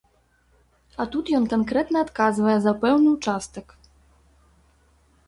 А тут ён канкрэтна адказвае за пэўны ўчастак.